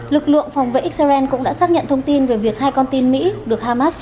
lực lượng phòng vệ israel cũng đã xác nhận thông tin về việc hai con tin mỹ được hamas bắt